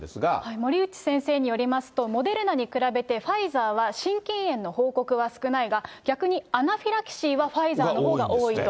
森内先生によりますと、モデルナに比べてファイザーは心筋炎の報告は少ないが、逆にアナフィラキシーはファイザーのほうが多いと。